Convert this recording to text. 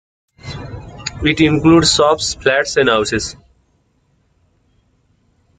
It includes shops, flats and houses.